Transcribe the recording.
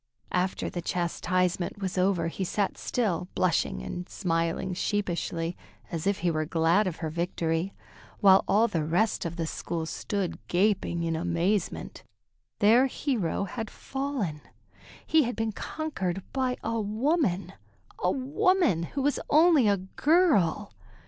After the chastisement was over he sat still, blushing and smiling sheepishly, as if he were glad of her victory, while all the rest of the school stood gaping in amazement. Their hero had fallen! He had been conquered by a woman, a woman who was only a girl!